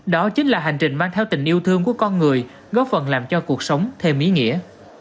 đó chính là hành trình mang theo tình yêu thương của con người góp phần làm cho cuộc sống thêm ý nghĩa